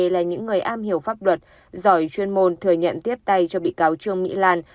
là những người am hiểu pháp luật giỏi chuyên môn thừa nhận tiếp tay cho bị cáo trương mỹ lan